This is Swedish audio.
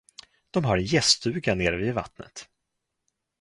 De har en gäststuga nere vid vattnet.